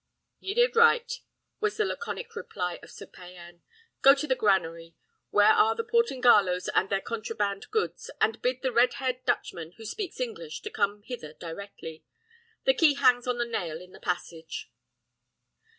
"He did right," was the laconic reply of Sir Payan; "go to the granary, where are the Portingallos and their contraband goods, and bid the red haired Dutchman who speaks English to come hither directly. The key hangs on the nail in the passage."